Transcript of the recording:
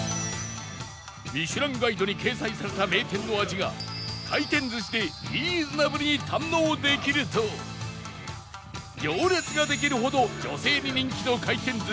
『ミシュランガイド』に掲載された名店の味が回転寿司でリーズナブルに堪能できると行列ができるほど女性に人気の廻転